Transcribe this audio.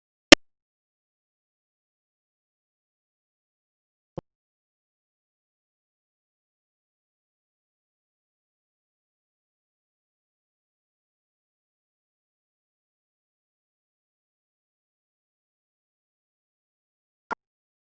โปรดติดตามตอนต่อไป